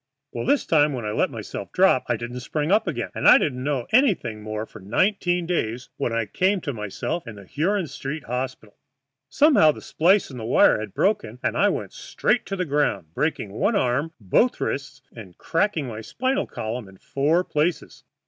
Well, this time when I let myself drop I didn't spring up again, and I didn't know anything more for nineteen days, when I came to myself in the Huron Street Hospital. Somehow that splice in the wire had broken, and I went straight to the ground, breaking one arm, both wrists, and cracking my spinal column in four places.